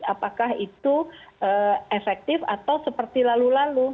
apakah itu efektif atau seperti lalu lalu